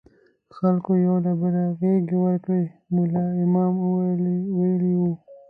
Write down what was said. خلکو یو له بله غېږې ورکړې، ملا امام ویلي وو.